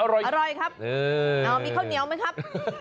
อร่อยครับมีข้าวเหนียวไหมครับ